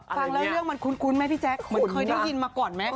ฟังแล้วเรื่องมันคุ้นไหมพี่แจ๊คมันเคยได้ยินมาก่อนไหม